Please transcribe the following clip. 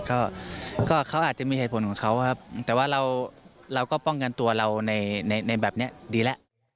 ก็เขาอาจจะมีเหตุผลของเขาครับแต่ว่าเราก็ป้องกันตัวเราในแบบนี้ดีแล้ว